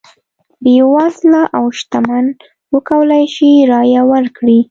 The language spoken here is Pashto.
بېوزله او شتمن وکولای شي رایه ورکړي.